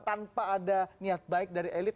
tanpa ada niat baik dari elit